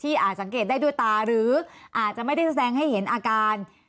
อาจสังเกตได้ด้วยตาหรืออาจจะไม่ได้แสดงให้เห็นอาการ